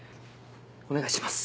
お願いします。